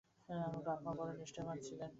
আমার বাপ-মা বড়ো নিষ্ঠাবান ছিলেন।